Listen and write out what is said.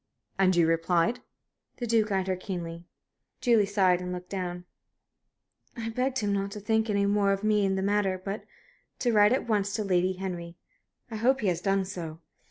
"And you replied?" The Duke eyed her keenly. Julie sighed and looked down. "I begged him not to think any more of me in the matter, but to write at once to Lady Henry. I hope he has done so."